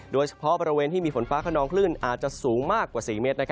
โดยเฉพาะบริเวณที่มีฝนฟ้าขนองคลื่นอาจจะสูงมากกว่า๔เมตร